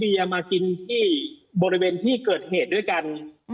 มากินที่บริเวณที่เกิดเหตุด้วยกัน